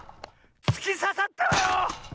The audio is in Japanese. つきささったわよ！